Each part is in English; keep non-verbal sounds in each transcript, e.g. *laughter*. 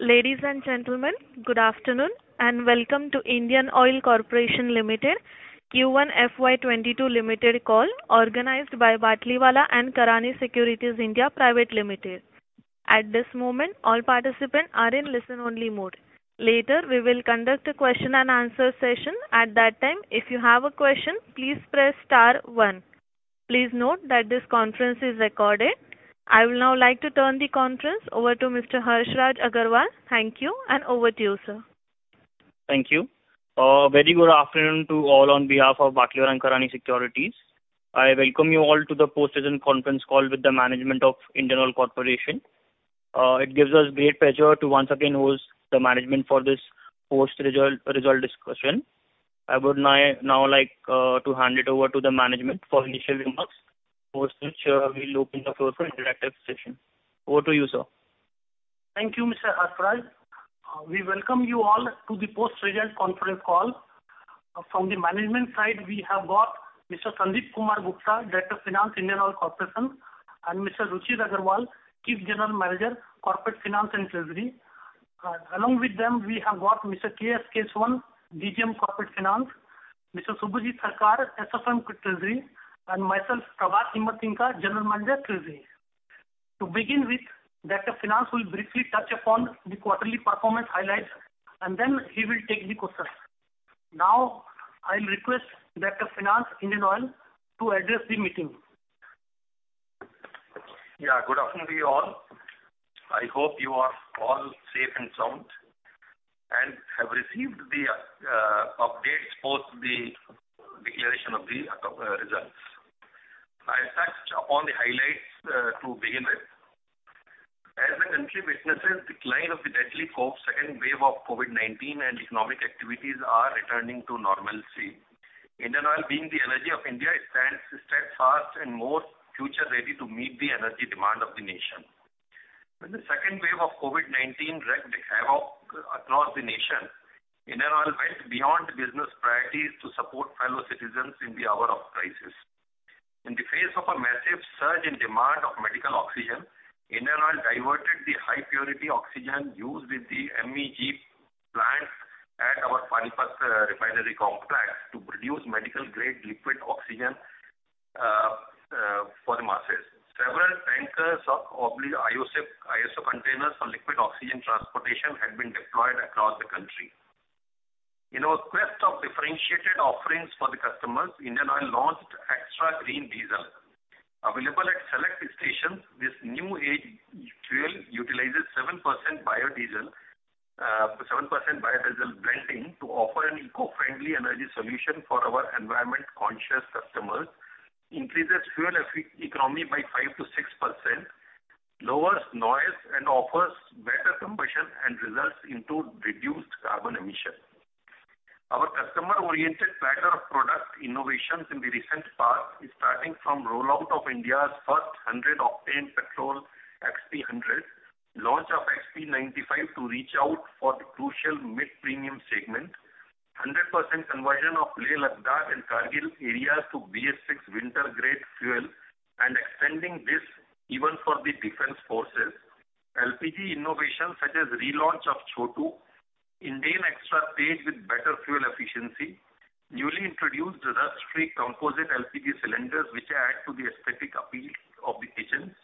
Ladies and gentlemen, good afternoon and welcome to Indian Oil Corporation Limited Q1 FY 2022 limited call organized by Batlivala & Karani Securities India Private Limited. At this moment, all participants are in listen-only mode. Later, we will conduct a question-and-answer session. At that time, if you have a question, please press star one. Please note that this conference is recorded. I would now like to turn the conference over to Mr. Harshraj Aggarwal. Thank you, and over to you, sir. Thank you. A very good afternoon to all on behalf of Batlivala & Karani Securities. I welcome you all to the post result conference call with the management of Indian Oil Corporation. It gives us great pleasure to once again host the management for this post result discussion. I would now like to hand it over to the management for initial remarks, for which we will open the floor for interactive session. Over to you, sir. Thank you, Mr. Harshraj. We welcome you all to the post result conference call. From the management side, we have got Mr. Sandeep Kumar Gupta, Director of Finance, Indian Oil Corporation, and Mr. Ruchir Agrawal, Chief General Manager, Corporate Finance and Treasury. Along with them, we have got Mr. K.S. Keswan, DGM Corporate Finance, Mr. Subhajit Sarkar, SFM Treasury, and myself, Prabhat Himatsingka, General Manager, Treasury. To begin with, Director of Finance will briefly touch upon the quarterly performance highlights, and then he will take the questions. Now, I'll request Director of Finance, Indian Oil, to address the meeting. Good afternoon to you all. I hope you are all safe and sound, and have received the updates post the declaration of the results. I'll touch upon the highlights to begin with. As the country witnesses decline of the deadly second wave of COVID-19 and economic activities are returning to normalcy, Indian Oil, being the energy of India, stands steadfast and more future-ready to meet the energy demand of the nation. When the second wave of COVID-19 wreaked havoc across the nation, Indian Oil went beyond business priorities to support fellow citizens in the hour of crisis. In the face of a massive surge in demand of medical oxygen, Indian Oil diverted the high-purity oxygen used with the MEG plant at our Panipat refinery complex to produce medical-grade liquid oxygen for the masses. Several tankers of ISO containers for liquid oxygen transportation had been deployed across the country. In our quest of differentiated offerings for the customers, Indian Oil launched XtraGreen diesel. Available at select stations, this new age fuel utilizes 7% biodiesel blending to offer an eco-friendly energy solution for our environment conscious customers, increases fuel economy by 5%-6%, lowers noise, and offers better combustion and results into reduced carbon emission. Our customer-oriented platter of product innovations in the recent past is starting from rollout of India's first 100 octane petrol, XP100, launch of XP95 to reach out for the crucial mid-premium segment, 100% conversion of Leh, Ladakh, and Kargil areas to BS6 winter-grade fuel, and extending this even for the defense forces. LPG innovations such as relaunch of Chhotu, Indane XtraTej with better fuel efficiency, newly introduced rust-free composite LPG cylinders which add to the aesthetic appeal of the kitchens.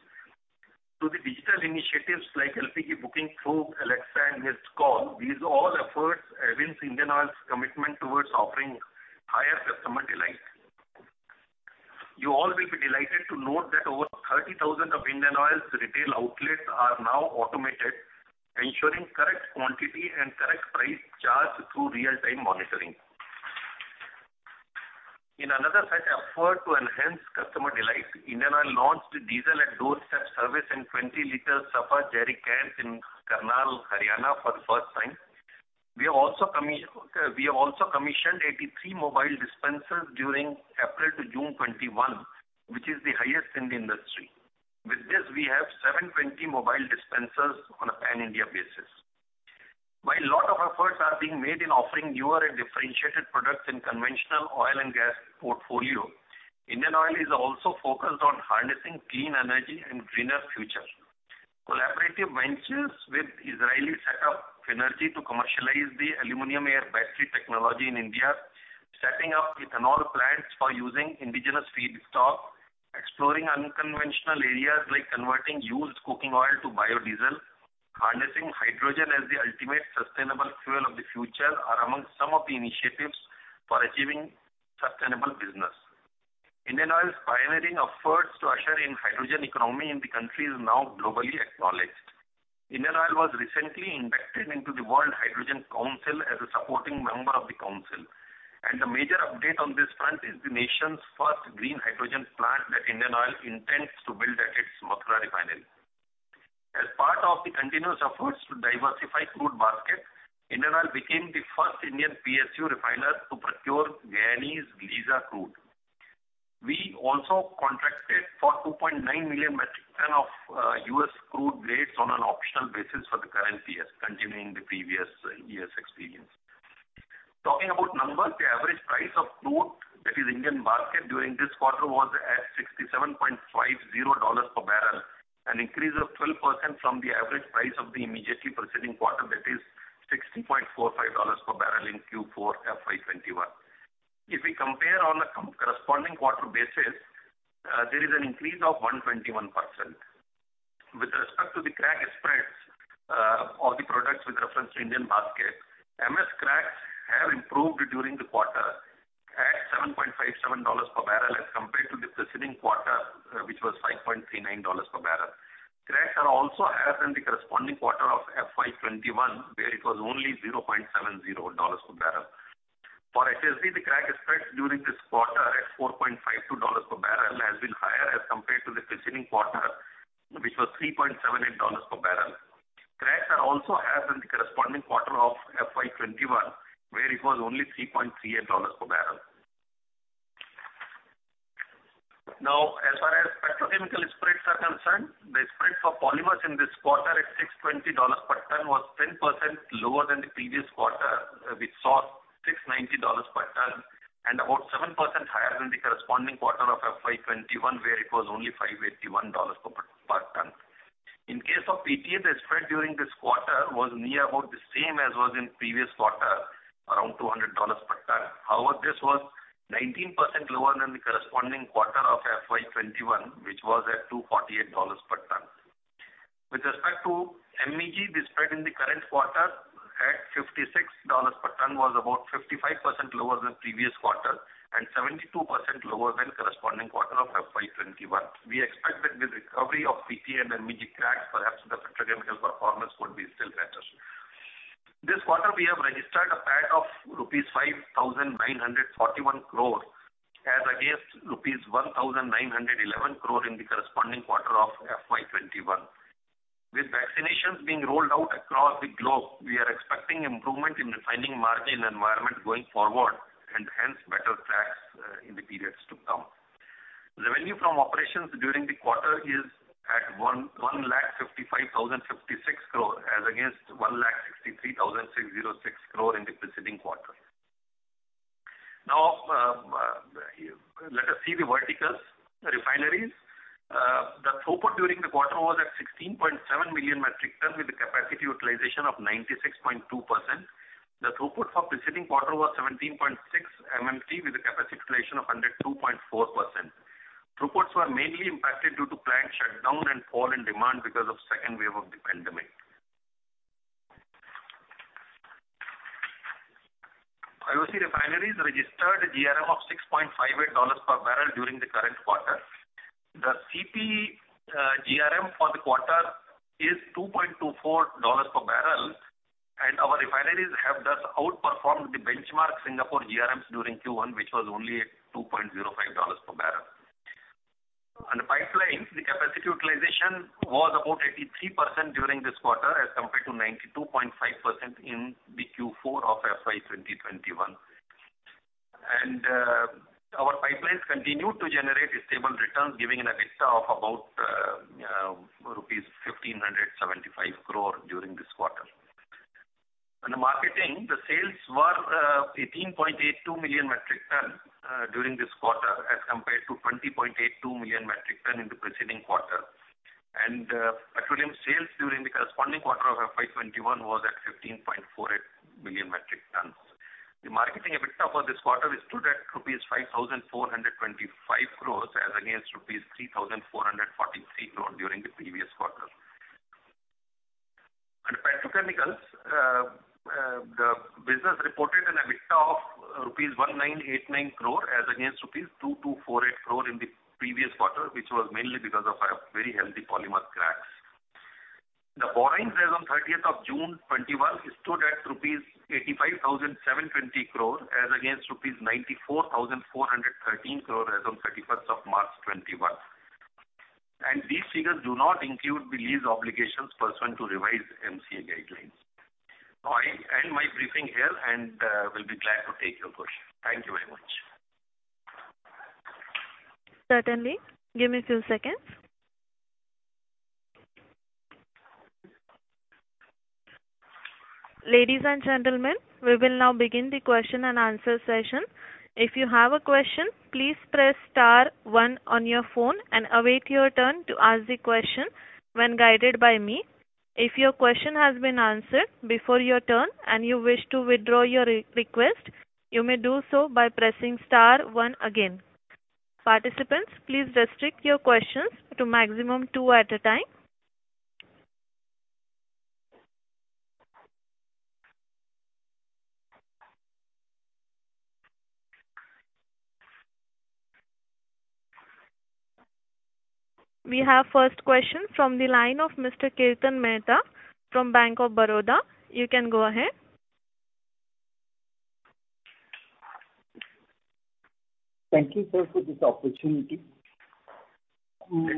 To the digital initiatives like LPG booking through Alexa and Miss Call, these all efforts evince Indian Oil's commitment towards offering higher customer delight. You all will be delighted to note that over 30,000 of Indian Oil's retail outlets are now automated, ensuring correct quantity and correct price charged through real-time monitoring. In another such effort to enhance customer delight, Indian Oil launched diesel at doorstep service in 20-L Safar jerry cans in Karnal, Haryana for the first time. We have also commissioned 83 mobile dispensers during April to June 2021, which is the highest in the industry. With this, we have 720 mobile dispensers on a pan-India basis. While lot of efforts are being made in offering newer and differentiated products in conventional oil and gas portfolio, Indian Oil is also focused on harnessing clean energy and greener future. Collaborative ventures with Phinergy to commercialize the aluminum air battery technology in India, setting up ethanol plants for using indigenous feedstock, exploring unconventional areas like converting used cooking oil to biodiesel, harnessing hydrogen as the ultimate sustainable fuel of the future are among some of the initiatives for achieving sustainable business. Indian Oil's pioneering efforts to usher in hydrogen economy in the country is now globally acknowledged. Indian Oil was recently inducted into the Hydrogen Council as a supporting member of the council, and the major update on this front is the nation's first green hydrogen plant that Indian Oil intends to build at its Mathura refinery. As part of the continuous efforts to diversify crude basket, Indian Oil became the first Indian PSU refiner to procure Guyanese Liza crude. We also contracted for 2.9 million metric ton of U.S. crude grades on an optional basis for the current year, continuing the previous year's export. Talking about numbers, the average price of crude that is Indian basket during this quarter was at $67.50 per barrel, an increase of 12% from the average price of the immediately preceding quarter, that is, $60.45 per barrel in Q4 FY 2021. If we compare on a corresponding quarter basis, there is an increase of 121%. With respect to the crack spreads, or the products with reference to Indian basket, MS cracks have improved during the quarter at $7.57 per barrel as compared to the preceding quarter, which was $5.39 per barrel. Cracks are also higher than the corresponding quarter of FY 2021, where it was only $0.70 per barrel. For HSD, the crack spread during this quarter at $4.52 per barrel has been higher as compared to the preceding quarter, which was $3.78 per barrel. Cracks are also higher than the corresponding quarter of FY 2021, where it was only $3.38 per barrel. As far as petrochemical spreads are concerned, the spread for polymers in this quarter at $620 per ton was 10% lower than the previous quarter, which saw $690 per ton, and about 7% higher than the corresponding quarter of FY 2021, where it was only $581 per ton. In case of PTA, the spread during this quarter was near about the same as was in previous quarter, around $200 per ton. This was 19% lower than the corresponding quarter of FY 2021, which was at $248 per ton. With respect to MEG, the spread in the current quarter at $56 per ton was about 55% lower than previous quarter and 72% lower than corresponding quarter of FY 2021. We expect that with recovery of PTA and MEG cracks, perhaps the petrochemical performance would be still better. This quarter, we have registered a PAT of rupees 5,941 crore as against rupees 1,911 crore in the corresponding quarter of FY 2021. With vaccinations being rolled out across the globe, we are expecting improvement in refining margin environment going forward, hence, better cracks in the periods to come. Revenue from operations during the quarter is at 1,55,056 crore as against 1,63,606 crore in the preceding quarter. Let us see the verticals. The refineries. The throughput during the quarter was at 16.7 million metric ton with a capacity utilization of 96.2%. The throughput for preceding quarter was 17.6 MMT with a capacity utilization of 102.4%. Throughputs were mainly impacted due to plant shutdown and fall in demand because of second wave of the pandemic. IOC refineries registered a GRM of $6.58 per barrel during the current quarter. The CP GRM for the quarter is $2.24 per barrel. Our refineries have thus outperformed the benchmark Singapore GRMs during Q1, which was only at $2.05 per barrel. On pipelines, the capacity utilization was about 83% during this quarter as compared to 92.5% in the Q4 of FY 2021. Our pipelines continued to generate stable returns, giving an EBITDA of about rupees 1,575 crore during this quarter. In the marketing, the sales were 18.82 million metric ton during this quarter as compared to 20.82 million metric ton in the preceding quarter. Petroleum sales during the corresponding quarter of FY 2021 was at 15.48 million metric tons. The marketing EBITDA for this quarter stood at rupees 5,425 crore as against rupees 3,443 crore during the previous quarter. Petrochemicals, the business reported an EBITDA of rupees 1,989 crore as against rupees 2,248 crore in the previous quarter, which was mainly because of our very healthy polymer cracks. The borrowings as on 30th of June 2021 stood at rupees 85,720 crore as against rupees 94,413 crore as on 31st of March 2021. These figures do not include the lease obligations pursuant to revised MCA guidelines. I end my briefing here and will be glad to take your questions. Thank you very much. Certainly. Give me a few seconds. Ladies and gentlemen, we will now begin the question and answer session. If you have a question, please press star one on your phone and await your turn to ask the question when guided by me. If your question has been answered before your turn and you wish to withdraw your request, you may do so by pressing star one again. Participants, please restrict your questions to maximum two at a time. We have first question from the line of Mr. Kirtan Mehta from Bank of Baroda. You can go ahead. Thank you sir for this opportunity. Go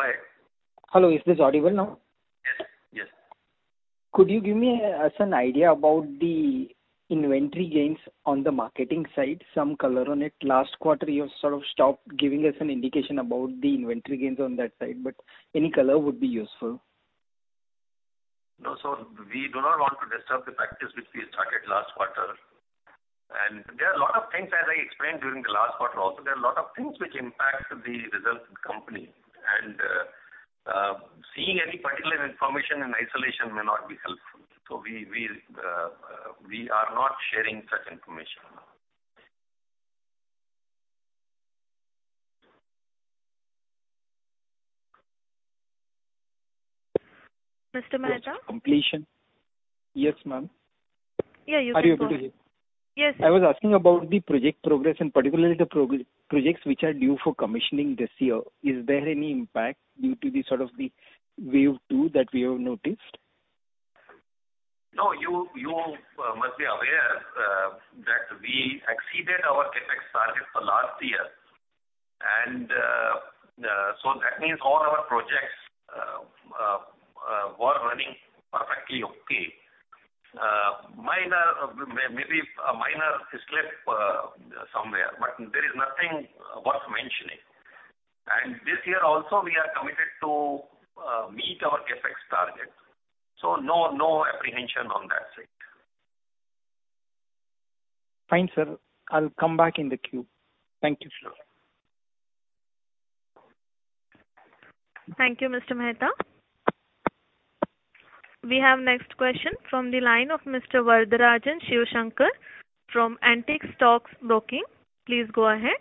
ahead. Hello, is this audible now? Yes. Could you give us an idea about the inventory gains on the marketing side, some color on it? Last quarter, you sort of stopped giving us an indication about the inventory gains on that side, but any color would be useful. No. We do not want to disturb the practice which we started last quarter. There are a lot of things, as I explained during the last quarter also, there are a lot of things which impact the results of the company. Seeing any particular information in isolation may not be helpful. We are not sharing such information. Mr. Mehta? Completion. Yes, ma'am. Yeah, you can go. Are you able to hear? Yes. I was asking about the project progress and particularly the projects which are due for commissioning this year. Is there any impact due to the sort of the wave 2 that we have noticed? No, you must be aware that we exceeded our CapEx target for last year. That means all our projects were running perfectly okay. Maybe a minor slip somewhere, but there is nothing worth mentioning. This year also, we are committed to meet our CapEx target. No apprehension on that side. Fine, sir. I'll come back in the queue. Thank you. Thank you, Mr. Mehta. We have next question from the line of Mr. Varatharajan Sivasankaran from Antique Stock Broking. Please go ahead.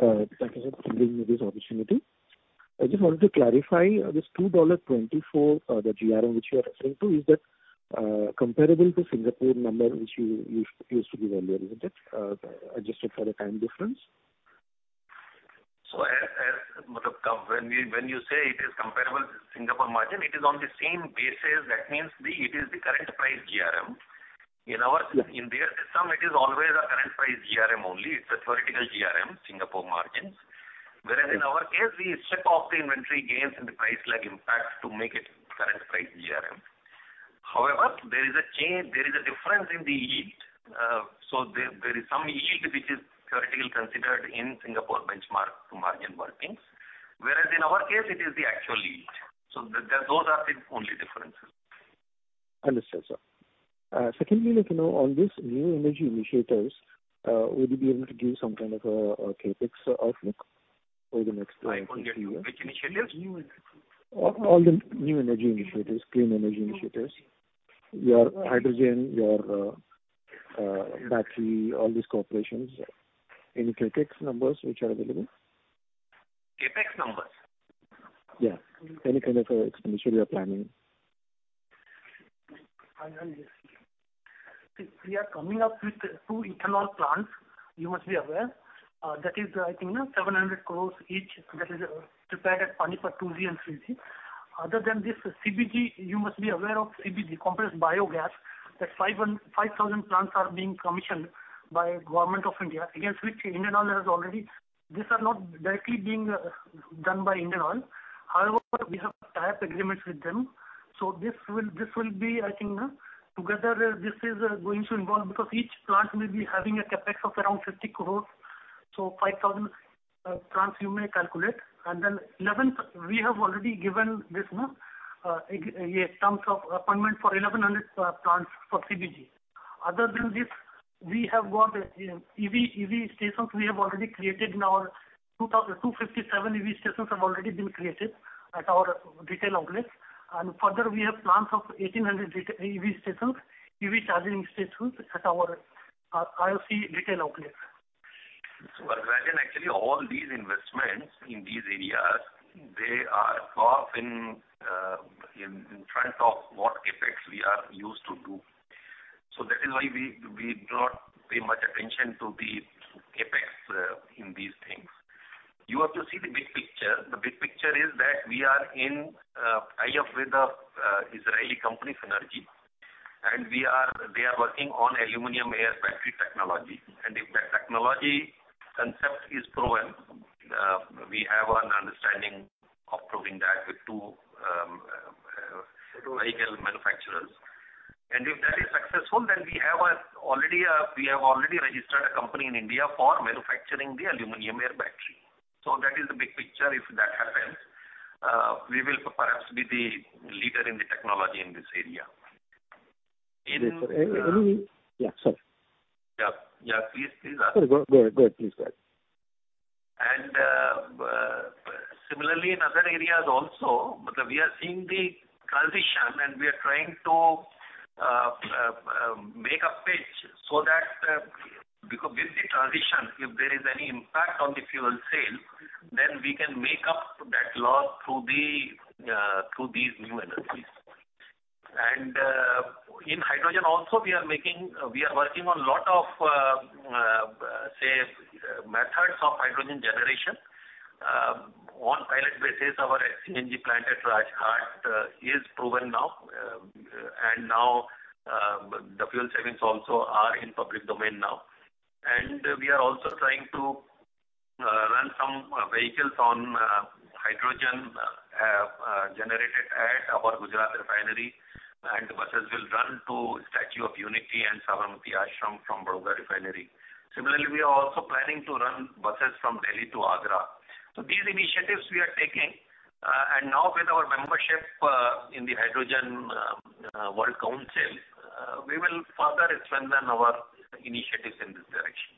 Thank you for giving me this opportunity. I just wanted to clarify this $2.24, the GRM which you are referring to, is that comparable to Singapore number, which you used to give earlier, isn't it, adjusted for the time difference? When you say it is comparable to Singapore margin, it is on the same basis. That means it is the current price GRM. In their system, it is always a current price GRM only. It's a theoretical GRM, Singapore margins. Whereas in our case, we strip off the inventory gains and the price lag impact to make it current price GRM. However, there is a difference in the yield. There is some yield which is theoretically considered in Singapore benchmark to margin workings. Whereas in our case it is the actual yield. Those are the only differences. Understood, sir. Secondly, on this new energy initiatives, would you be able to give some kind of a CapEx outlook over the next three years? Which initiatives? New energy. All the new energy initiatives, clean energy initiatives, your hydrogen, your battery, all these corporations. Any CapEx numbers which are available? CapEx numbers? Yeah. Any kind of expenditure you're planning. We are coming up with two ethanol plants, you must be aware. That is I think 700 crore each. That is prepared at Panipat 2G and 3G. Other than this, CBG, you must be aware of CBG, compressed biogas. That 5,000 plants are being commissioned by Government of India against which. *audio distortion* These are not directly being done by Indian Oil. However, we have tie-up agreements with them. This will be, I think, together, this is going to involve, because each plant may be having a CapEx of around 50 crore. 5,000 plants you may calculate. Then we have already given this in terms of appointment for 1,100 plants for CBG. Other than this, we have got 257 EV stations have already been created at our retail outlets. Further, we have plans of 1,800 EV charging stations at our IOC retail outlets. Varatharajan, actually all these investments in these areas, they are far in front of what CapEx we are used to do. That is why we do not pay much attention to the CapEx in these things. You have to see the big picture. The big picture is that we are in tie-up with a Israeli company, Phinergy. They are working on aluminum air battery technology. If that technology concept is proven, we have an understanding of proving that with two vehicle manufacturers. If that is successful, then we have already registered a company in India for manufacturing the aluminum air battery. That is the big picture. If that happens, we will perhaps be the leader in the technology in this area. Yes, sorry. Yeah. Please ask. Go ahead. Please go ahead. Similarly, in other areas also, we are seeing the transition, and we are trying to make a pitch so that with the transition, if there is any impact on the fuel sale, then we can make up that loss through these new energies. In hydrogen also, we are working on lot of, say, methods of hydrogen generation. On pilot basis, our HCNG plant at Rajghat is proven now. Now the fuel savings also are in public domain now. We are also trying to run some vehicles on hydrogen generated at our Gujarat refinery, and buses will run to Statue of Unity and Sabarmati Ashram from Vadodara refinery. Similarly, we are also planning to run buses from Delhi to Agra. These initiatives we are taking. Now with our membership in the Hydrogen Council, we will further expand our initiatives in this direction.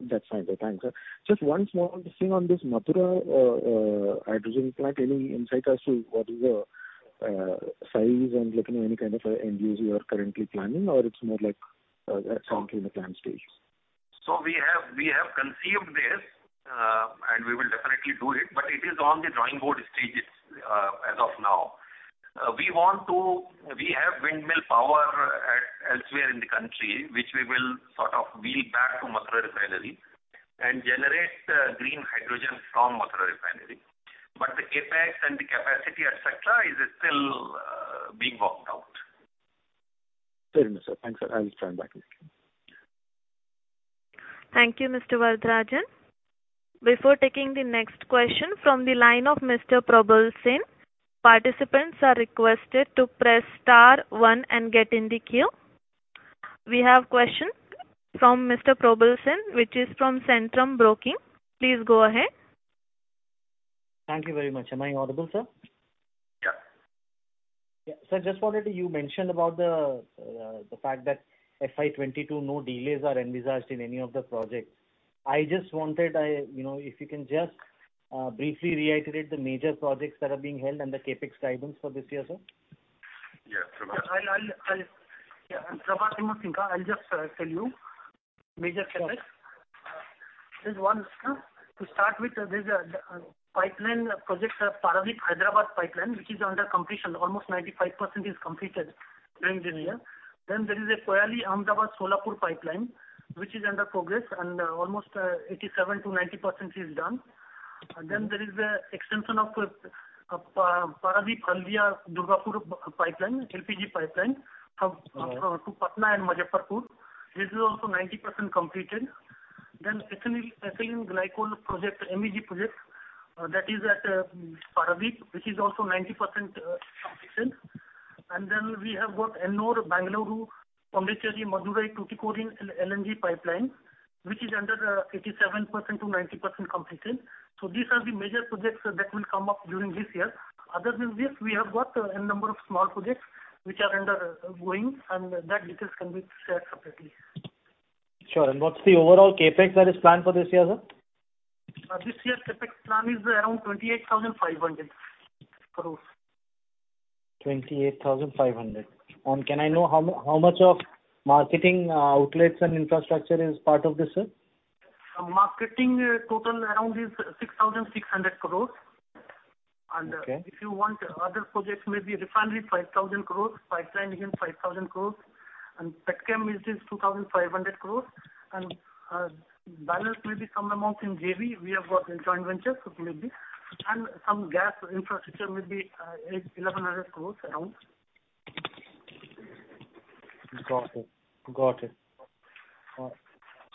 That's fine. Thanks. Just one small thing on this Mathura hydrogen plant. Any insight as to what is the size and any kind of NGOs you are currently planning, or it's more like something in the plan stage? We have conceived this, and we will definitely do it, but it is on the drawing board stages as of now. We have windmill power elsewhere in the country, which we will sort of wheel back to Mathura refinery and generate green hydrogen from Mathura refinery. The CapEx and the capacity, et cetera, is still being worked out. Fair enough, sir. Thanks. I will stand back. Thank you, Mr. Varatharajan. Before taking the next question from the line of Mr. Probal Sen, participants are requested to press star one and get in the queue. We have question from Mr. Probal Sen, which is from Centrum Broking. Please go ahead. Thank you very much. Am I audible, sir? Yeah. Yeah. Sir, you mentioned about the fact that FY 2022, no delays are envisaged in any of the projects. I just wanted, if you can just briefly reiterate the major projects that are being held and the CapEx guidance for this year, sir? Yeah, Probal. Yeah. I'm Prabhat Himatsingka. I'll just tell you major CapEx. Sure. There's one, to start with, there's a pipeline project, Paradip-Hyderabad pipeline, which is under completion. Almost 95% is completed during the year. There is a Koyali-Ahmedabad-Solapur pipeline, which is under progress, and almost 87%-90% is done. There is a extension of Paradip-Haldia-Durgapur pipeline, LPG pipeline, to Patna and Muzaffarpur. This is also 90% completed. Ethylene glycol project, MEG project, that is at Paradip, which is also 90% completed. We have got Ennore-Bangalore-Madurái-Tuticorin LNG pipeline, which is under 87%-90% completed. These are the major projects that will come up during this year. Other than this, we have got N number of small projects which are ongoing, and that details can be shared separately. Sure. What's the overall CapEx that is planned for this year, sir? This year's CapEx plan is around 28,500 crores. 28,500 crores. Can I know how much of marketing outlets and infrastructure is part of this, sir? Marketing total around is 6,600 crores. Okay. If you want other projects, maybe refinery, 5,000 crore, pipeline again 5,000 crore, and petchem is 2,500 crore, and balance may be some amount in JV. We have got joint ventures, it may be. Some gas infrastructure may be 1,100 crore around. Got it.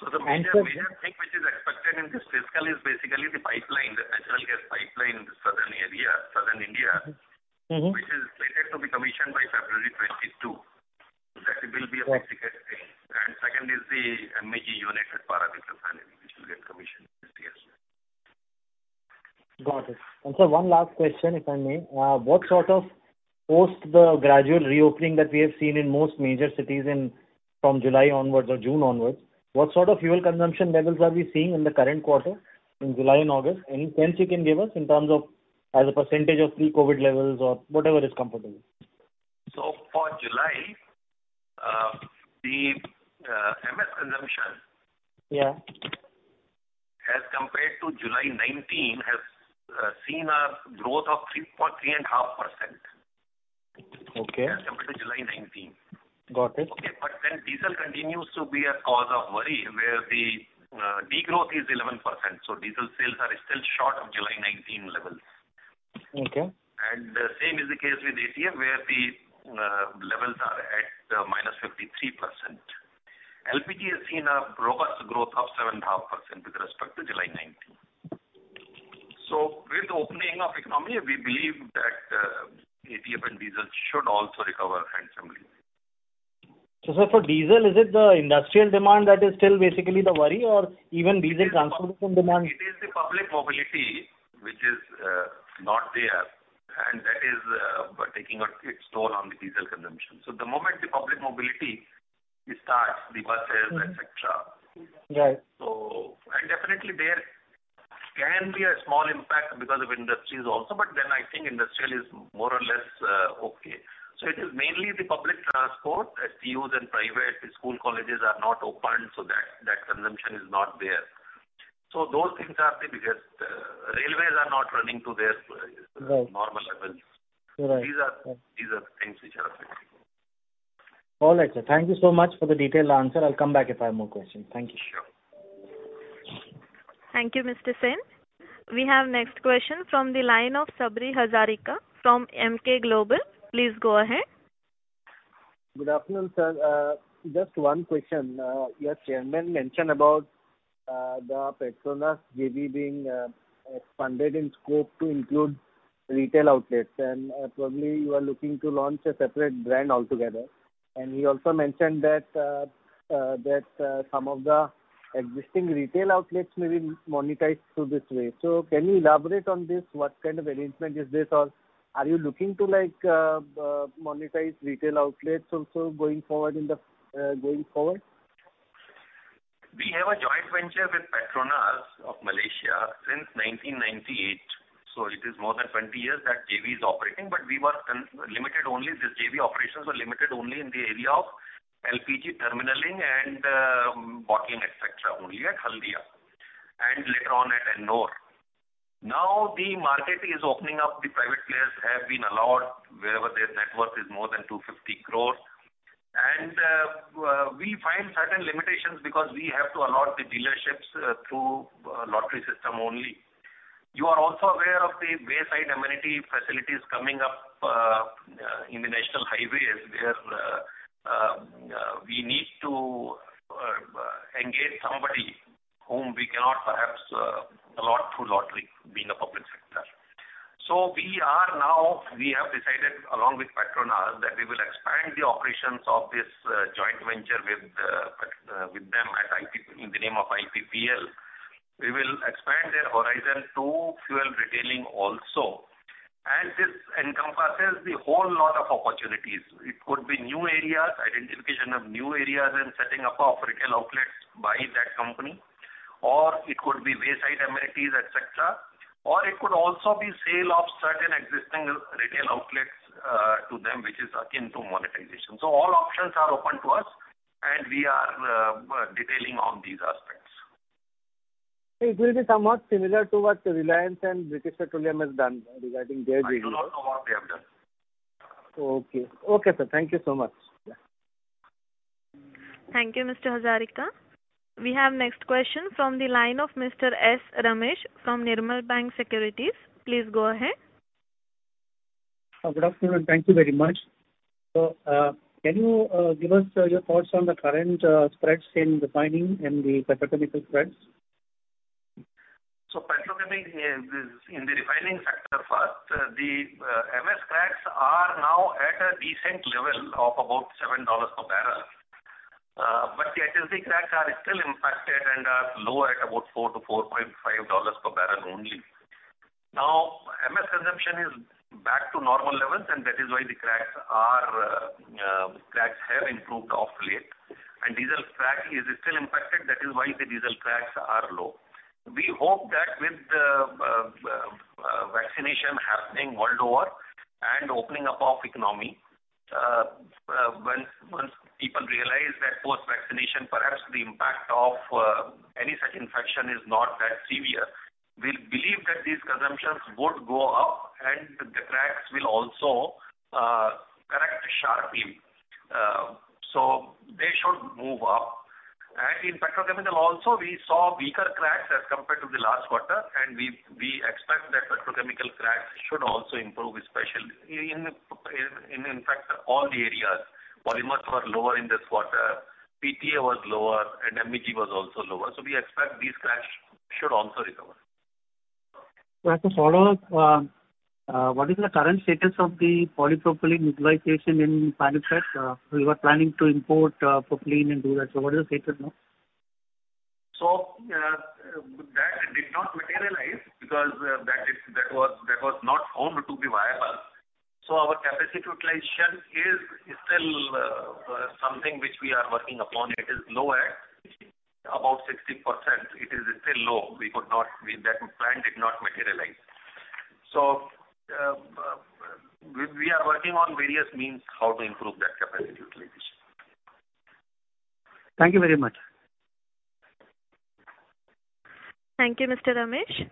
The major thing which is expected in this fiscal is basically the pipeline, the natural gas pipeline in Southern India, which is slated to be commissioned by February 2022. That will be a significant thing. Second is the MEG unit at Paradip Refinery, which will get commissioned this year. Got it. Sir, one last question, if I may. Post the gradual reopening that we have seen in most major cities from July onwards or June onwards, what sort of fuel consumption levels are we seeing in the current quarter, in July and August? Any sense you can give us in terms of as a percent of pre-COVID levels or whatever is comfortable? For July, the MS consumption- Yeah. as compared to July 2019, has seen a growth of 3.5%. Okay. As compared to July 2019. Got it. Okay. Diesel continues to be a cause of worry, where the degrowth is 11%. Diesel sales are still short of July 2019 levels. Okay. Same is the case with ATF, where the levels are at -53%. LPG has seen a robust growth of 7.5% with respect to July 2019. With the opening of economy, we believe that ATF and diesel should also recover handsomely. Sir, for diesel, is it the industrial demand that is still basically the worry, or even diesel transportation demand? It is the public mobility which is not there, and that is taking its toll on the diesel consumption. The moment the public mobility starts, the buses, et cetera. Right. Definitely there can be a small impact because of industries also, I think industrial is more or less okay. It is mainly the public transport, STUs and private school, colleges are not open, so that consumption is not there. Those things are the biggest. Railways are not running to their normal levels. Right. These are the things which are affecting. All right, sir. Thank you so much for the detailed answer. I'll come back if I have more questions. Thank you. Sure. Thank you, Mr. Sen. We have next question from the line of Sabri Hazarika from Emkay Global. Please go ahead. Good afternoon, sir. Just one question. Your chairman mentioned about the PETRONAS JV being expanded in scope to include retail outlets, probably you are looking to launch a separate brand altogether. He also mentioned that some of the existing retail outlets may be monetized through this way. Can you elaborate on this? What kind of arrangement is this? Are you looking to monetize retail outlets also going forward? We have a joint venture with PETRONAS of Malaysia since 1998, so it is more than 20 years that JV is operating, but this JV operations were limited only in the area of LPG terminaling and bottling, et cetera, only at Haldia, and later on at Ennore. Now the market is opening up. The private players have been allowed wherever their network is more than 250 crore. We find certain limitations because we have to allot the dealerships through lottery system only. You are also aware of the wayside amenity facilities coming up in the national highways, where we need to engage somebody whom we cannot perhaps allot through lottery, being a public sector. Now we have decided along with PETRONAS, that we will expand the operations of this joint venture with them in the name of IPPL. We will expand their horizon to fuel retailing also. This encompasses a whole lot of opportunities. It could be new areas, identification of new areas, and setting up of retail outlets by that company. It could be wayside amenities, et cetera. It could also be sale of certain existing retail outlets to them, which is akin to monetization. All options are open to us and we are detailing on these aspects. It will be somewhat similar to what Reliance and BP has done regarding their retail. I do not know what they have done. Okay. Okay, sir. Thank you so much. Thank you, Mr. Hazarika. We have next question from the line of Mr. S. Ramesh from Nirmal Bang Securities. Please go ahead. Good afternoon. Thank you very much. Can you give us your thoughts on the current spreads in refining and the petrochemical spreads? Petrochemical, in the refining sector first, the MS cracks are now at a decent level of about $7 per barrel. The HSD cracks are still impacted and are low at about $4-$4.5 per barrel only. MS consumption is back to normal levels, and that is why the cracks have improved of late. Diesel crack is still impacted, that is why the diesel cracks are low. We hope that with vaccination happening world over and opening up of economy, once people realize that post-vaccination, perhaps the impact of any such infection is not that severe, we believe that these consumptions would go up and the cracks will also correct sharply. They should move up. In petrochemical also, we saw weaker cracks as compared to the last quarter, and we expect that petrochemical cracks should also improve. In fact, all the areas. Polymers were lower in this quarter, PTA was lower, and MEG was also lower. We expect these cracks should also recover. As a follow-up, what is the current status of the polypropylene utilization in Panipat? You were planning to import propylene and do that. What is the status now? That did not materialize because that was not found to be viable. Our capacity utilization is still something which we are working upon. It is low at about 60%. It is still low. That plan did not materialize. We are working on various means how to improve that capacity utilization. Thank you very much. Thank you, Mr. Ramesh.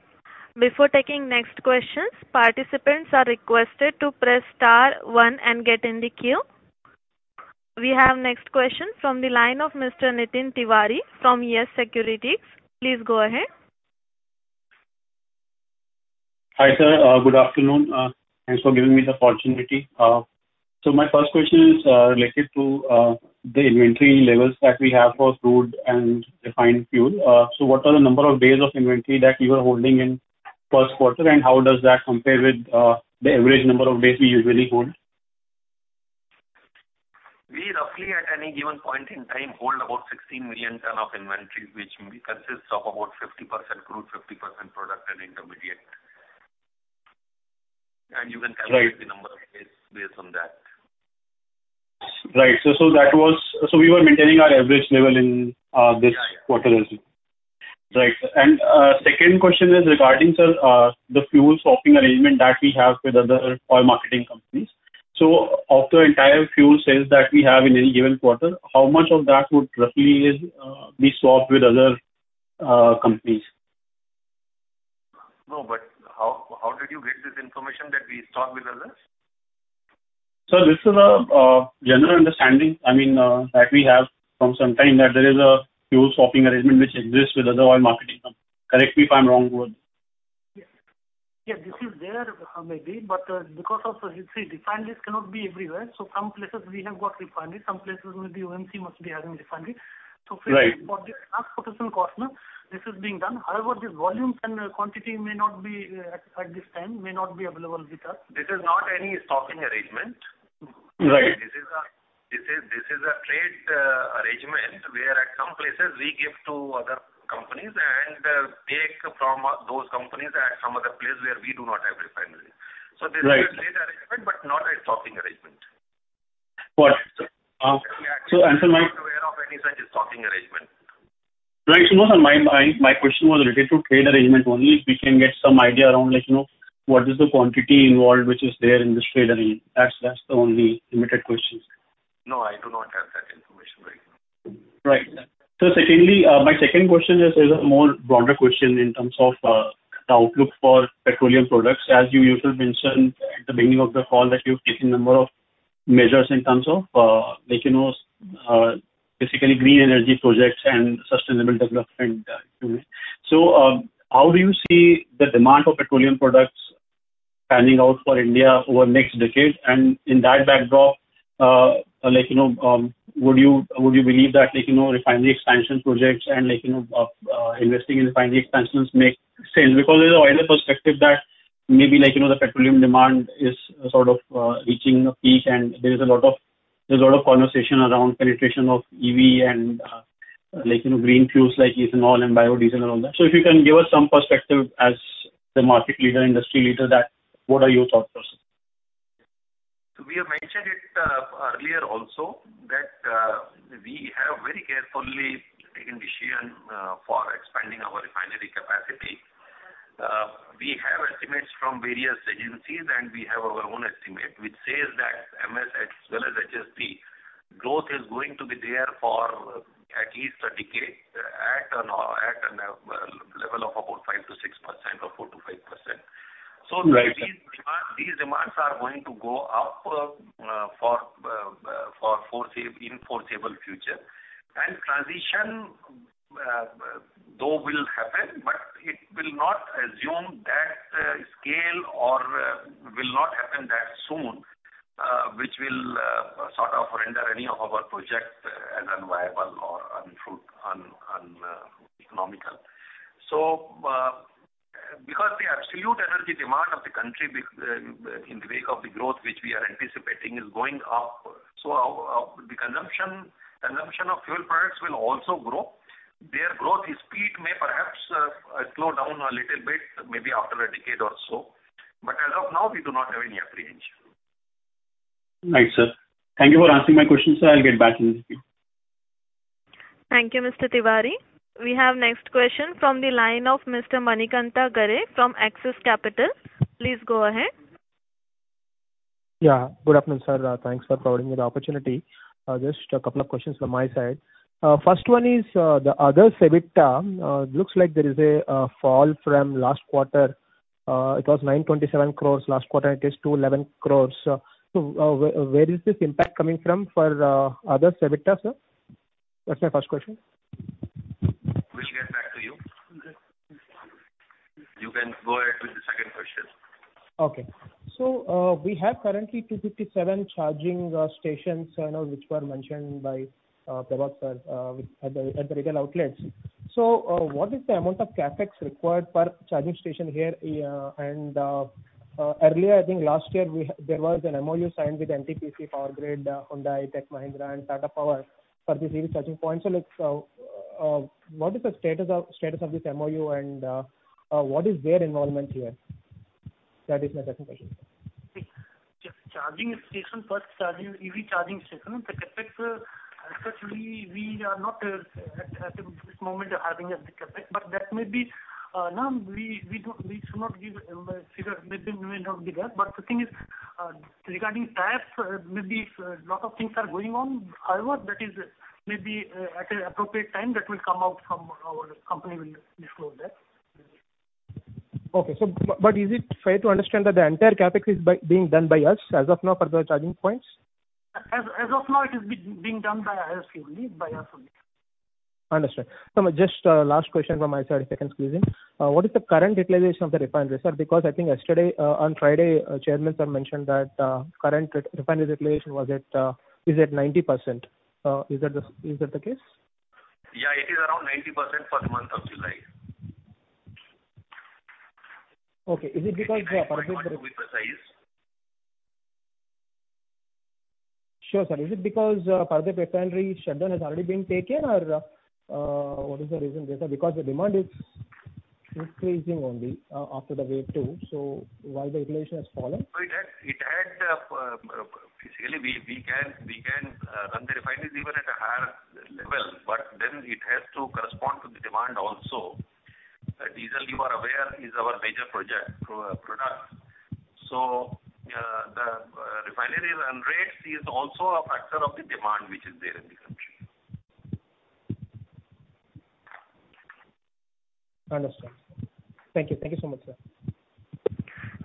Before taking next questions, participants are requested to press star one and get in the queue. We have next question from the line of Mr. Nitin Tiwari from YES Securities. Please go ahead. Hi, sir. Good afternoon. Thanks for giving me the opportunity. My first question is related to the inventory levels that we have for crude and refined fuel. What are the number of days of inventory that you are holding in first quarter, and how does that compare with the average number of days we usually hold? We roughly, at any given point in time, hold about 16 million tons of inventory, which consists of about 50% crude, 50% product and intermediate- Right. -given the number of days based on that. Right. We were maintaining our average level in this quarter as well. Right. Right. Second question is regarding, sir, the fuel swapping arrangement that we have with other oil marketing companies. Of the entire fuel sales that we have in any given quarter, how much of that would roughly be swapped with other companies? No, but how did you get this information that we swap with others? Sir, this is a general understanding that we have from some time, that there is a fuel swapping arrangement which exists with other oil marketing companies. Correct me if I'm wrong. Yes. This is there maybe, but because of, you see, refineries cannot be everywhere. Some places we have got refinery, some places maybe OMC must be having refinery. Right. For the transportation cost, this is being done. However, these volumes and quantity at this time may not be available with us. This is not any stocking arrangement. Right. This is a trade arrangement, where at some places we give to other companies and take from those companies at some other place where we do not have a refinery. Right. This is a trade arrangement, but not a stocking arrangement. Got it. We are not aware of any such stocking arrangement. Right. No, sir, my question was related to trade arrangement only. If we can get some idea around what is the quantity involved, which is there in this trade arrangement. That's the only limited question. No, I do not have that information right now. Right. Secondly, my second question is a more broader question in terms of the outlook for petroleum products. As you usually mention at the beginning of the call that you've taken number of measures in terms of basically green energy projects and sustainable development. How do you see the demand for petroleum products panning out for India over next decade? In that backdrop, would you believe that refinery expansion projects and investing in refinery expansions make sense? There's always a perspective that maybe the petroleum demand is reaching a peak and there's a lot of conversation around penetration of EV and green fuels like ethanol and biodiesel and all that. If you can give us some perspective as the market leader, industry leader, what are your thoughts, sir? We have mentioned it earlier also, that we have very carefully taken decision for expanding our refinery capacity. We have estimates from various agencies, and we have our own estimate, which says that MS as well as HSD growth is going to be there for at least a decade at a level of about 5%-6% or 4%-5%. Right. These demands are going to go up in foreseeable future. Transition, though will happen, but it will not assume that scale or will not happen that soon, which will sort of render any of our project as unviable or uneconomical. Because the absolute energy demand of the country in the wake of the growth which we are anticipating is going up, so the consumption of fuel products will also grow. Their growth speed may perhaps slow down a little bit, maybe after a decade or so, but as of now, we do not have any apprehension. Right, sir. Thank you for answering my questions, sir. I'll get back to you. Thank you, Mr. Tiwari. We have next question from the line of Mr. Manikantha Garre from Axis Capital. Please go ahead. Yeah, good afternoon, sir. Thanks for providing me the opportunity. Just a couple of questions from my side. First one is, the other Segment EBITDA. Looks like there is a fall from last quarter. It was 927 crores. Last quarter, it is 211 crores. Where is this impact coming from for other Segment EBITDA, sir? That's my first question. We'll get back to you. Okay. You can go ahead with the second question. We have currently 257 charging stations, I know, which were mentioned by Prabhat, sir, at the retail outlets. What is the amount of CapEx required per charging station here? Earlier, I think last year, there was an MoU signed with NTPC PowerGrid, Honda, ITEC, Mahindra and Tata Power for these EV charging points. What is the status of this MoU and what is their involvement here? That is my second question. Charging station, per EV charging station, the CapEx, actually, we are not at this moment having a big CapEx. We should not give a figure. Maybe we may not give that. The thing is, regarding tariffs, maybe lot of things are going on. That is maybe at an appropriate time, that will come out from our company, we will disclose that. Okay. Is it fair to understand that the entire CapEx is being done by us as of now for the charging points? As of now, it is being done by us only. Understood. Just last question from my side, if you can squeeze in. What is the current utilization of the refineries, sir? I think yesterday, on Friday, Chairman, sir, mentioned that current refinery utilization is at 90%. Is that the case? Yeah, it is around 90% for the month of July. Okay. Is it because per the- 91% to be precise. Sure, sir. Is it because per the refinery shutdown has already been taken or what is the reason there, sir? The demand is increasing only after the wave 2, so why the utilization has fallen? Physically, we can run the refineries even at a higher level, but then it has to correspond to the demand also. Diesel, you are aware, is our major product. The refinery run rates is also a factor of the demand which is there in the country. Understood. Thank you. Thank you so much, sir.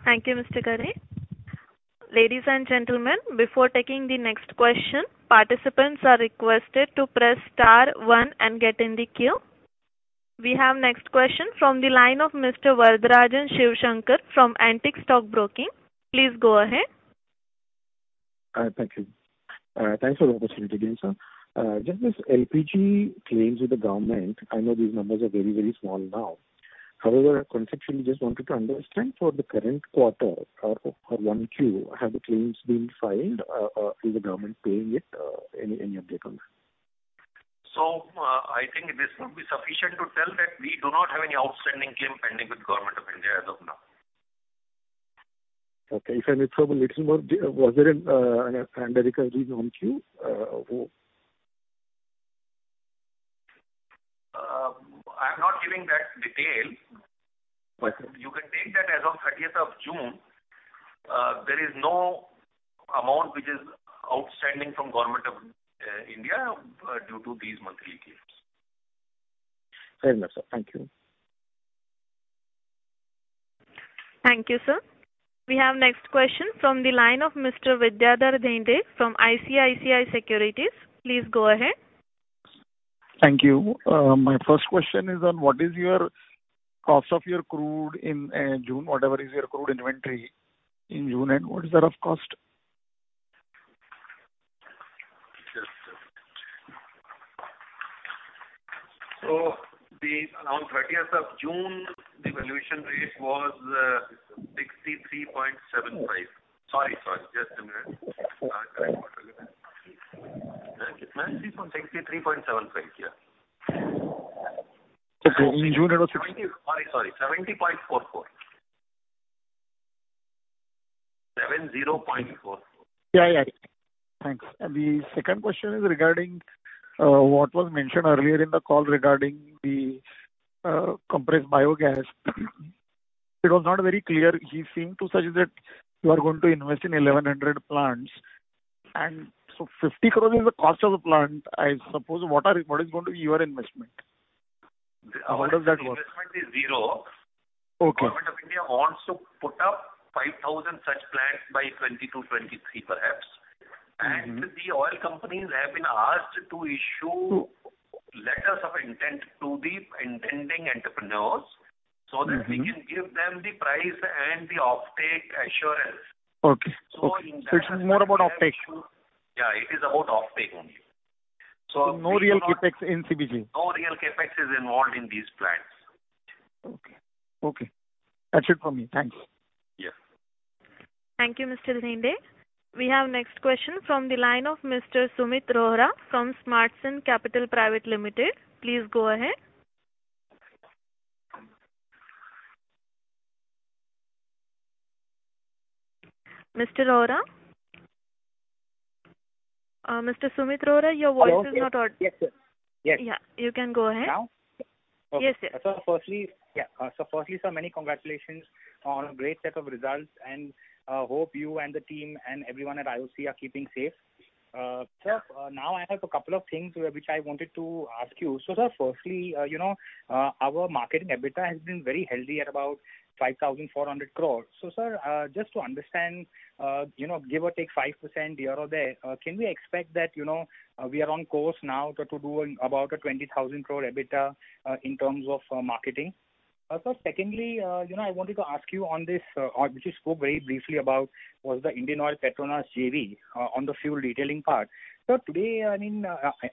Thank you, Mr. Garre. Ladies and gentlemen, before taking the next question, participants are requested to press star one and get in the queue. We have next question from the line of Mr. Varatharajan Sivasankaran from Antique Stock Broking. Please go ahead. Thank you. Thanks for the opportunity again, sir. Just this LPG claims with the government, I know these numbers are very, very small now. However, conceptually, just wanted to understand for the current quarter or 1Q, have the claims been filed? Is the government paying it? Any update on that? I think this would be sufficient to tell that we do not have any outstanding claim pending with Government of India as of now. Okay, sir. If so, a little more, was there any recovery on Q? I'm not giving that detail. Okay. You can take that as on 30th of June, there is no amount which is outstanding from Government of India due to these monthly claims. Fair enough, sir. Thank you. Thank you, sir. We have next question from the line of Mr. Vidyadhar Ginde from ICICI Securities. Please go ahead. Thank you. My first question is on what is your cost of your crude in June, whatever is your crude inventory in June, and what is that of cost? Around 30th of June, the valuation rate was INR 63.75 crores. Sorry, just a minute. I'll get the correct one. INR 63.75 crores, yeah. So in June it was- Sorry. INR 70.44 crores. 70.44 crores. Thanks. The second question is regarding what was mentioned earlier in the call regarding the compressed biogas. It was not very clear. You seem to suggest that you are going to invest in 1,100 plants, and so 50 crores is the cost of the plant. I suppose, what is going to be your investment? How does that work? Our investment is 0 crore. Okay. Government of India wants to put up 5,000 such plants by 2022, 2023, perhaps. The oil companies have been asked to issue letters of intent to the intending entrepreneurs, so that we can give them the price and the offtake assurance. Okay. So in that aspect- It is more about offtake. Yeah, it is about offtake only. No real CapEx in CBG. No real CapEx is involved in these plants. Okay. That's it from me. Thank you. Yeah. Thank you, Mr. Ginde. We have next question from the line of Mr. Sumeet Rohra from Smartsun Capital Private Limited. Please go ahead. Mr. Rohra? Mr. Sumeet Rohra, your voice is not. Hello. Yes. Yeah, you can go ahead. Now? Yes. Firstly, yeah. Firstly, sir, many congratulations on a great set of results, and hope you and the team and everyone at IOC are keeping safe. Sir, now I have a couple of things which I wanted to ask you. Sir, firstly, our marketing EBITDA has been very healthy at about 5,400 crores. Sir, just to understand, give or take 5% here or there, can we expect that we are on course now to do about a 20,000 crore EBITDA in terms of marketing? Secondly, I wanted to ask you on this, which you spoke very briefly about, was the Indian Oil Petronas JV on the fuel retailing part. Today,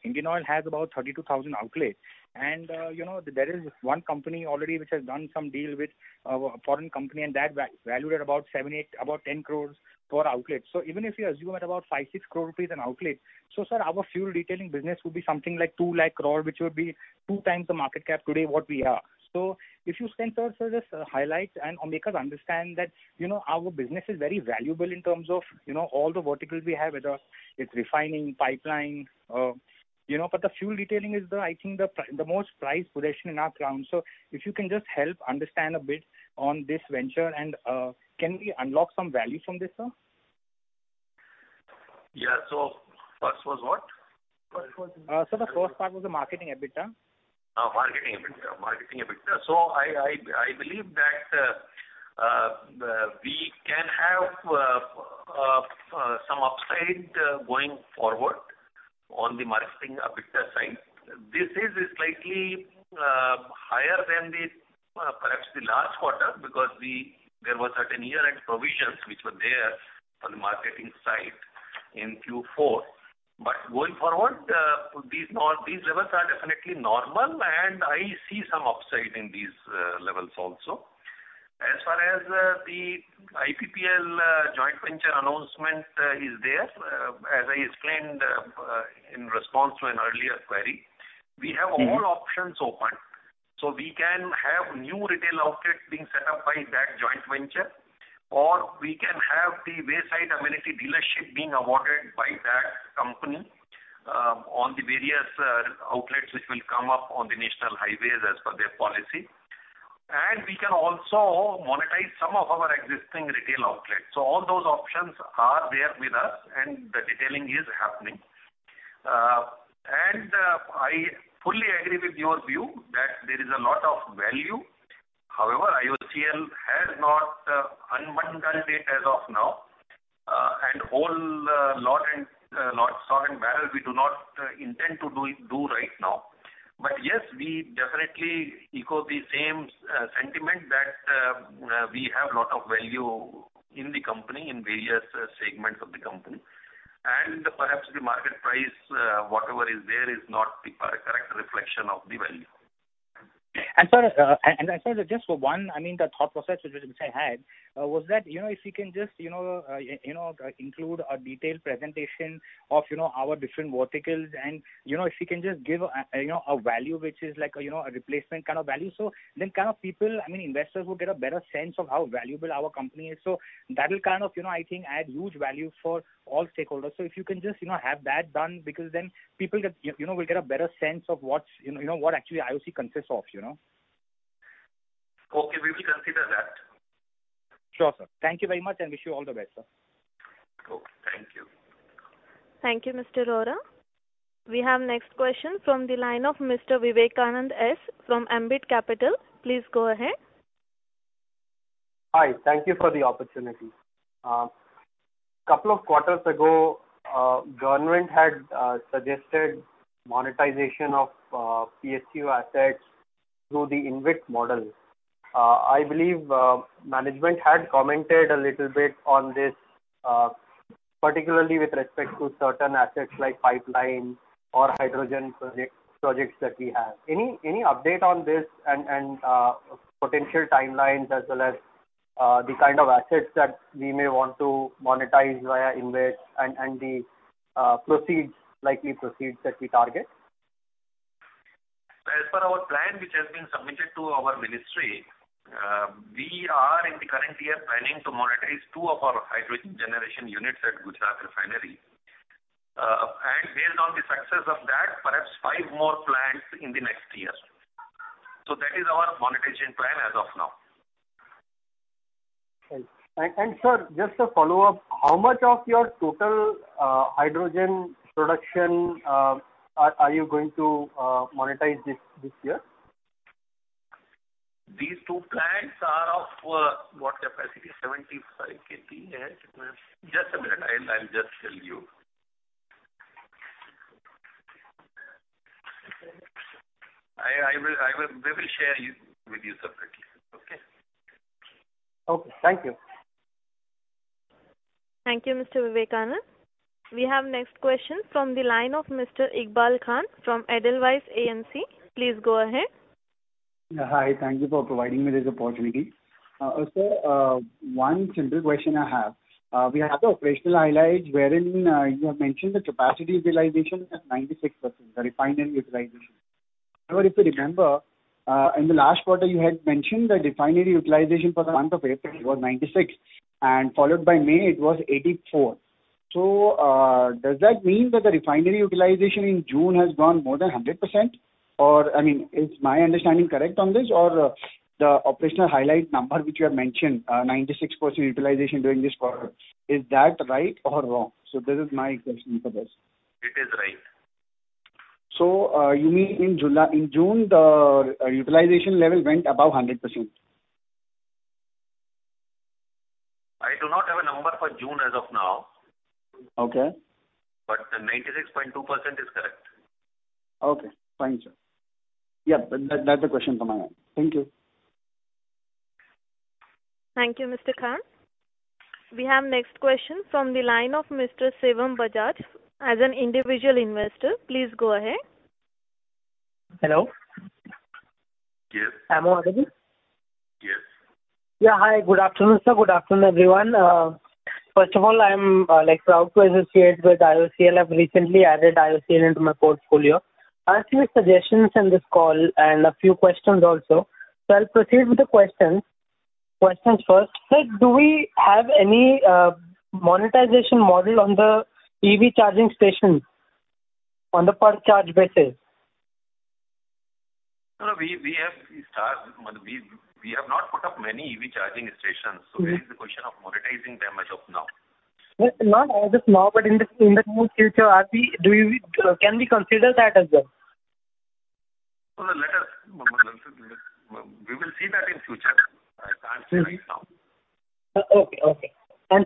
Indian Oil has about 32,000 outlets, and there is one company already which has done some deal with a foreign company and that valued at about 7, 8, about 10 crores per outlet. Even if you assume at about 5, 6 crore an outlet, sir, our fuel retailing business would be something like 2 lakh crore, which would be two times the market cap today what we are. If you can, sir, just highlight and make us understand that our business is very valuable in terms of all the verticals we have, whether it's refining, pipeline, but the fuel retailing is I think the most prized possession in our crown. If you can just help understand a bit on this venture, and can we unlock some value from this, sir? Yeah. First was what? Sir, the first part was the marketing EBITDA. Marketing EBITDA. I believe that we can have some upside going forward on the marketing EBITDA side. This is slightly higher than perhaps the last quarter because there were certain year-end provisions which were there on the marketing side in Q4. Going forward, these levels are definitely normal, and I see some upside in these levels also. As far as the IPPL joint venture announcement is there, as I explained in response to an earlier query, we have all options open. We can have new retail outlets being set up by that joint venture, or we can have the wayside amenity dealership being awarded by that company on the various outlets which will come up on the national highways as per their policy. We can also monetize some of our existing retail outlets. All those options are there with us and the detailing is happening. I fully agree with your view that there is a lot of value. However, IOCL has not unbundled it as of now. Whole lot and barrel, we do not intend to do right now. Yes, we definitely echo the same sentiment that we have lot of value in the company, in various segments of the company. Perhaps the market price, whatever is there, is not the correct reflection of the value. Sir, just for one, the thought process which I had was that if you can just include a detailed presentation of our different verticals and if you can just give a value which is like a replacement kind of value. Then investors will get a better sense of how valuable our company is. That will I think add huge value for all stakeholders. If you can just have that done because then people will get a better sense of what actually IOC consists of. Okay. We will consider that. Sure, sir. Thank you very much and wish you all the best, sir. Okay. Thank you. Thank you, Mr. Rohra. We have next question from the line of Mr. Vivekanand Subbaraman from Ambit Capital. Please go ahead. Hi. Thank you for the opportunity. Couple of quarters ago, government had suggested monetization of PSU assets through the InvIT model. I believe management had commented a little bit on this, particularly with respect to certain assets like pipeline or hydrogen projects that we have. Any update on this and potential timelines as well as the kind of assets that we may want to monetize via InvIT and the likely proceeds that we target? As per our plan, which has been submitted to our ministry, we are in the current year planning to monetize two of our hydrogen generation units at Gujarat Refinery. Based on the success of that, perhaps five more plants in the next year. That is our monetization plan as of now. Sir, just a follow-up. How much of your total hydrogen production are you going to monetize this year? These two plants are of what capacity? 75 KT. Just a minute. I'll just tell you. We will share with you separately. Okay? Okay. Thank you. Thank you, Mr. Vivekanand. We have next question from the line of Mr. Iqbal Khan from Edelweiss AMC. Please go ahead. Hi. Thank you for providing me this opportunity. Sir, one simple question I have. We have the operational highlights wherein you have mentioned the capacity utilization at 96%, the refinery utilization. However, if you remember, in the last quarter you had mentioned the refinery utilization for the month of April was 96%, followed by May it was 84%. Does that mean that the refinery utilization in June has gone more than 100%? Is my understanding correct on this, or the operational highlight number which you have mentioned, 96% utilization during this quarter, is that right or wrong? This is my question for this. It is right. You mean in June, the utilization level went above 100%? I do not have a number for June as of now. Okay. The 96.2% is correct. Okay. Fine, sir. Yeah. That's the question from my end. Thank you. Thank you, Mr. Khan. We have next question from the line of Mr. Shivam Bajaj, as an individual investor. Please go ahead. Hello? Yes. Am I audible? Yes. Yeah. Hi. Good afternoon, sir. Good afternoon, everyone. First of all, I'm proud to associate with IOCL. I've recently added IOCL into my portfolio. I have few suggestions in this call and a few questions also. I'll proceed with the questions first. Sir, do we have any monetization model on the EV charging station on the per-charge basis? No, no. We have not put up many EV charging stations, so where is the question of monetizing them as of now? Not as of now, but in the near future, can we consider that as well? We will see that in future. I can't tell you now. Okay.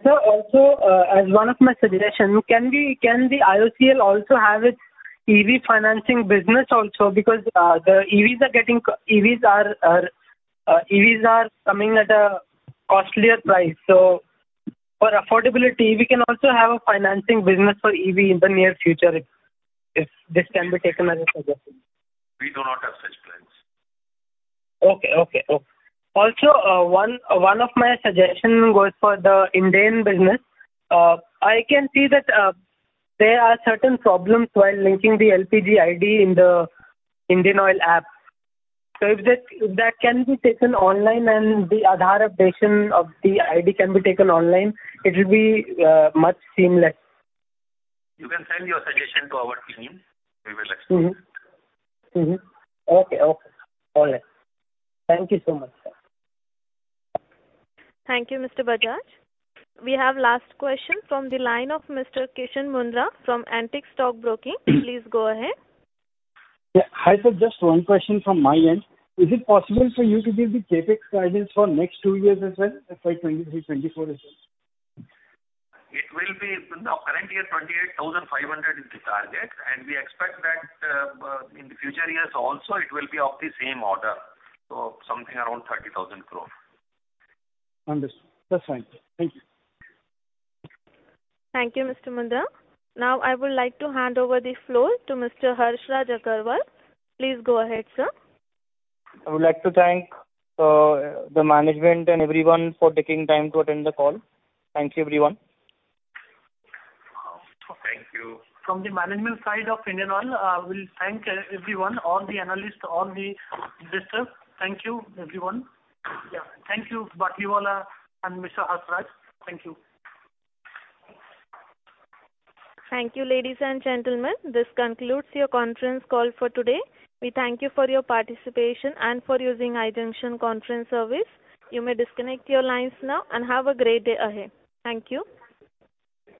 Sir, also, as one of my suggestion, can the IOCL also have its EV financing business also because EVs are coming at a costlier price. For affordability, we can also have a financing business for EV in the near future, if this can be taken as a suggestion. We do not have such plans. Okay. One of my suggestion was for the Indian business. I can see that there are certain problems while linking the LPG ID in the Indian Oil app. If that can be taken online and the Aadhaar updation of the ID can be taken online, it will be much seamless. You can send your suggestion to our team. We will accept it. Mm-hmm. Okay. All right. Thank you so much, sir. Thank you, Mr. Bajaj. We have last question from the line of Mr. Kishan Mundra from Antique Stock Broking. Please go ahead. Yeah. Hi, sir, just one question from my end. Is it possible for you to give the CapEx guidance for next two years as well, FY 2023, 2024 as well? The current year, 28,500 crore is the target, and we expect that in the future years also it will be of the same order. Something around 30,000 crore. Understood. That's fine. Thank you. Thank you, Mr. Mundra. I would like to hand over the floor to Mr. Harshraj Aggarwal. Please go ahead, sir. I would like to thank the management and everyone for taking time to attend the call. Thank you, everyone. Thank you. From the management side of Indian Oil, I will thank everyone, all the analysts, all the investors. Thank you, everyone. Yeah. Thank you, Batlivala and Mr. Harshraj. Thank you. Thank you, ladies and gentlemen. This concludes your conference call for today. We thank you for your participation and for using iJunction Conference Service. You may disconnect your lines now, and have a great day ahead. Thank you.